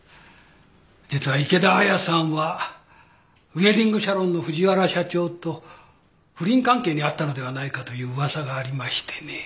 実は池田亜矢さんはウエディングシャロンの藤原社長と不倫関係にあったのではないかという噂がありましてね。